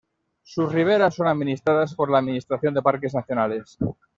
Sus riberas son administradas por la Administración de Parques Nacionales.